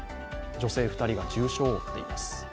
女性２人が重傷を負っています。